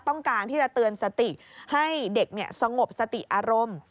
ต้องการที่จะเตือนสติให้เด็กสงบสติอารมณ์